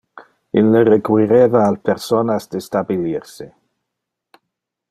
Ille requireva al personas de stabilir se.